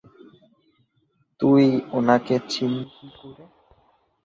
তুই ওনাকে চিনলি কি কোরে?